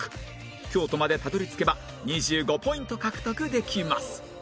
京都までたどり着けば２５ポイント獲得できます